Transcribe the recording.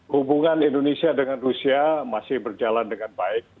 hubungan indonesia dengan rusia masih berjalan dengan baik